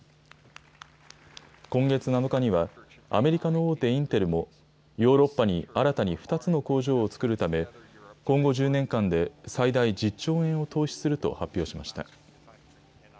今月７日には、アメリカの大手インテルも、ヨーロッパに新たに２つの工場を造るため、今後１０年間で、最大１０兆円を投資すると発表しました。